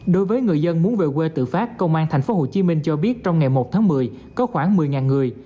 đối với người dân muốn về quê tự phát công an thành phố hồ chí minh cho biết trong ngày một tháng một mươi có khoảng một mươi người